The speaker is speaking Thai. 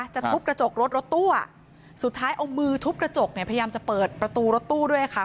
ทุบกระจกรถรถตู้สุดท้ายเอามือทุบกระจกเนี่ยพยายามจะเปิดประตูรถตู้ด้วยค่ะ